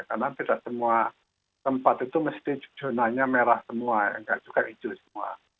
karena tidak semua tempat itu mesti cujuananya merah semua nggak juga hijau semua